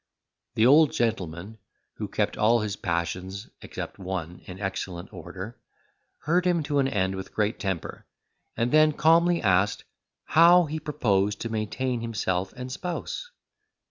The old gentleman, who kept all his passions, except one, in excellent order, heard him to an end with great temper, and then calmly asked, how he proposed to maintain himself and spouse?